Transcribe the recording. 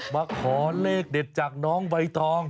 มาขอเลขเด็ดจากน้องใบตอง